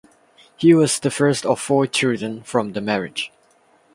He was the first of four children from the marriage.